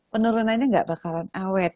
penurunannya gak bakalan awet